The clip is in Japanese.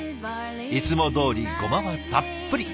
いつもどおりゴマはたっぷり。